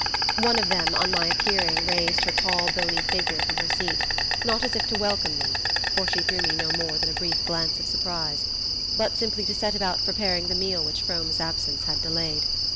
One of them, on my appearing, raised her tall bony figure from her seat, not as if to welcome me for she threw me no more than a brief glance of surprise but simply to set about preparing the meal which Frome's absence had delayed.